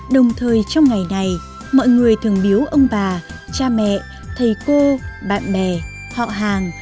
đồng thời trong ngày này mọi người thường biếu ông bà cha mẹ thầy cô bạn bè họ hàng